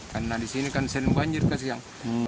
karena di sini kan sering banjir kasihan